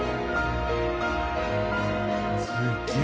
すげえ。